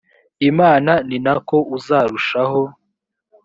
imana ni na ko uzarushaho